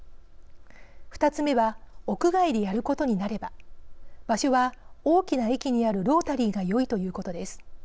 ２つ目は屋外でやることになれば場所は大きな駅にあるロータリーがよいということです。